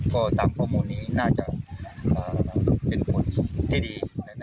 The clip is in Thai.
ก็ตามข้อมูลนี้น่าจะเป็นผลที่ดี